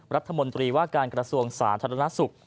รัฐมนตรีว่าการกระทรวงสาธารณสุข